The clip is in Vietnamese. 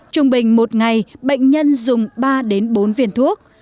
trung bình một ngày bệnh nhân dùng ba đến bốn viên thuốc